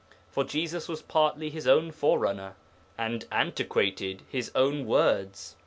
For Jesus was partly his own forerunner, and antiquated his own words.